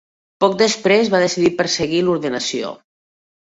Poc després, va decidir perseguir l'ordenació.